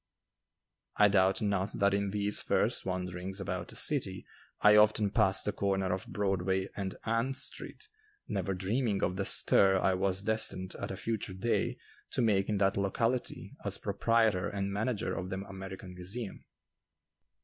I doubt not that in these first wanderings about the city I often passed the corner of Broadway and Ann Street never dreaming of the stir I was destined at a future day to make in that locality as proprietor and manager of the American Museum.